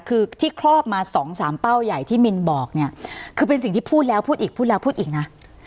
คือที่ครอบมาสองสามเป้าใหญ่ที่มินบอกเนี่ยคือเป็นสิ่งที่พูดแล้วพูดอีกพูดแล้วพูดอีกนะ